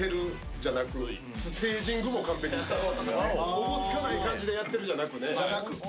おぼつかない感じでやってる、じゃなくて。